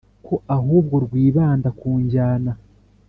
ko ahubwo rwibanda ku njyana,